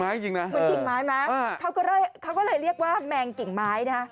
เหมือนกิ่งไม้ไหมเขาก็เลยเรียกว่าแมงกิ่งไม้นะครับ